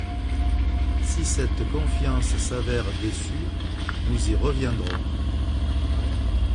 Si cette confiance s’avère déçue, nous y reviendrons.